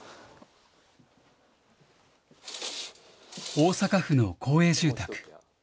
大阪府の公営住宅。